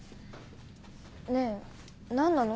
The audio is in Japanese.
ねぇ何なの？